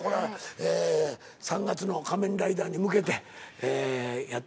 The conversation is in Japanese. ええ３月の「仮面ライダー」に向けてええやって。